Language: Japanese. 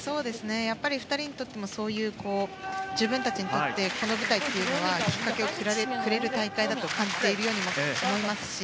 やっぱり２人にとっても自分たちにとってこの舞台というのはきっかけをくれる大会だと感じているように思います。